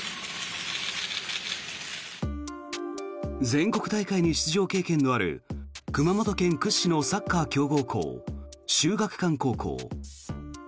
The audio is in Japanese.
全国大会に出場経験のある熊本県屈指のサッカー強豪校秀岳館高校。